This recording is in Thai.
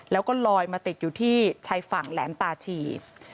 แล้วก็ลอยมาติดอยู่ที่ชายฝั่งแหลมตาชี